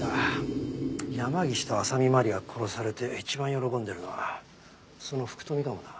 山岸と浅見麻里が殺されて一番喜んでるのはその福富かもな。